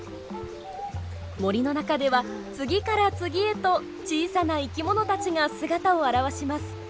森の中では次から次へと小さな生き物たちが姿を現します。